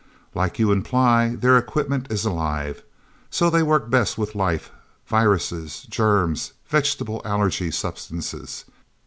Like you imply, their equipment is alive. So they work best with life viruses, germs, vegetable allergy substances.